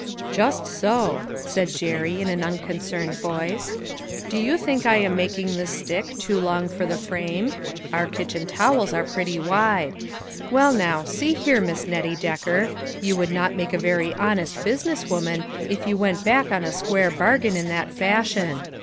"Just so," said Jerry, in an unconcerned voice. " Do you think I am making this stick too long for the frame ? Our kitchen towels are pretty wide. Well, now, see here, Miss Nettie Decker, you would not make a very honest busi ness woman if you went back on a square bar gain in that fashion.